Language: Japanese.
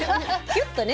キュッとね。